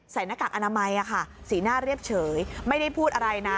หน้ากากอนามัยสีหน้าเรียบเฉยไม่ได้พูดอะไรนะ